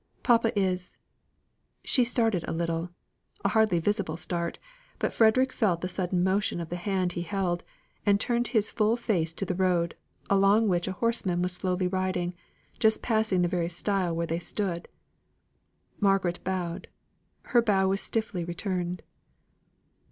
Papa is" she started a little, a hardly visible start but Frederick felt the sudden motion of the hand he held, and turned his full face to the road, along which a horseman was slowly riding, just passing the very stile where they stood. Margaret bowed; her bow was stiffly returned.